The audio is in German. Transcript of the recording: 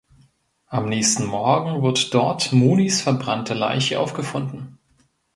Am nächsten Morgen wird dort Monis verbrannte Leiche aufgefunden.